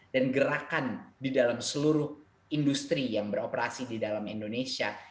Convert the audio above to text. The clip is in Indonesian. dan gerakan di dalam seluruh industri yang beroperasi di dalam indonesia